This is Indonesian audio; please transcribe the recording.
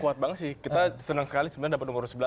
kuat banget sih kita senang sekali sebenarnya dapat nomor sebelas